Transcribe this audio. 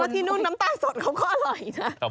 ที่นู่นน้ำตาลสดเขาก็อร่อยนะ